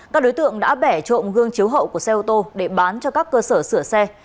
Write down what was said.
các đối tượng đã bẻ trộm gương chiếu hậu của xe ô tô để bán cho các cơ sở sửa xe